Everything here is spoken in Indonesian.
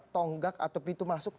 tonggak atau pintu masuk